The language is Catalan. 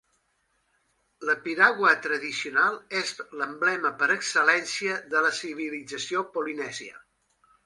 La piragua tradicional és l'emblema per excel·lència de la civilització polinèsia.